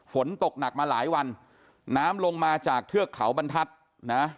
ฝนตกหนักมาหลายวันน้ำลงมาจากเทือกเขาบรรทัศน์นะ